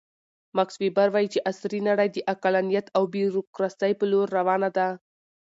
ماکس ویبر وایي چې عصري نړۍ د عقلانیت او بیروکراسۍ په لور روانه ده.